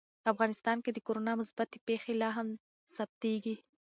افغانستان کې د کورونا مثبتې پېښې لا هم ثبتېږي.